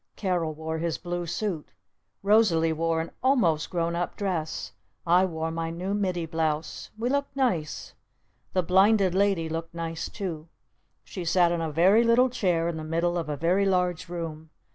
Carol wore his blue suit. Rosalee wore an almost grown up dress. I wore my new middy blouse. We looked nice. The Blinded Lady looked nice too. She sat in a very little chair in the middle of a very large room.